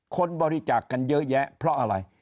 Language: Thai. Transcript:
คนบริจาคกันเยอะแยะเพราะอะไร